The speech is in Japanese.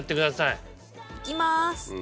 いきます。